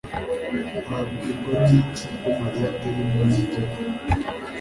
Wabwirwa niki ko Mariya atari muri njye